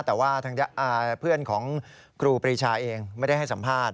แต่ว่าทางเพื่อนของครูปรีชาเองไม่ได้ให้สัมภาษณ